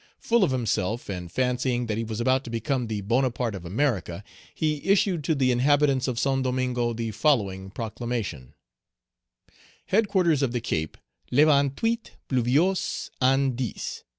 Full of himself, Page 180 and fancying that he was about to become the Bonaparte of America, he issued to the inhabitants of Saint Domingo the following proclamation: HEADQUARTERS OF THE CAPE, le 28 Pluviose, an 10.